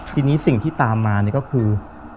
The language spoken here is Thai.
ทีนี้สิ่งที่ตามมานี่ก็คือ